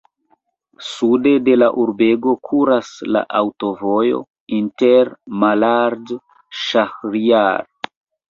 Sude de la urbego kuras la aŭtovojo inter Malard-Ŝahrijar.